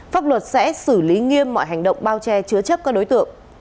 pháp luật sẽ xử lý nghiêm mọi hành động bao che chứa chấp các đối tượng